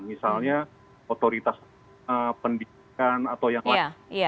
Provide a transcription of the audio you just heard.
misalnya otoritas pendidikan atau yang lain